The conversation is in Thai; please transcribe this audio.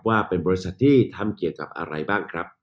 ว่าเป็นบริษัทที่ทำเกี่ยวกับอะไรบ้างครับ